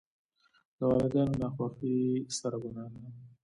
د والداینو ناخوښي ستره ګناه ده.